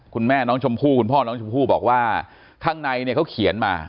คุณแม่น้องชมพู่คุณพ่อน้องชมพู่บอกว่าข้างในเนี่ยเขาเขียนมา